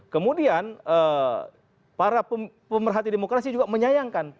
kemudian para pemerhati demokrasi juga menyayangkan